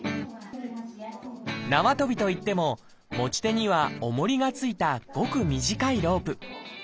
なわとびといっても持ち手にはおもりが付いたごく短いロープ。